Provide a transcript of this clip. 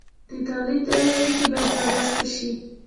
د تولید نوې اړیکې باید رامنځته شي.